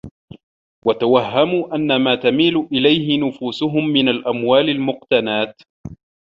وَتَوَهَّمُوا أَنَّ مَا تَمِيلُ إلَيْهِ نُفُوسُهُمْ مِنْ الْأَمْوَالِ الْمُقْتَنَاةِ